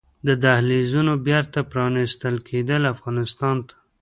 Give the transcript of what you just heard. د دهلېزونو بېرته پرانيستل کیدل افغانستان ته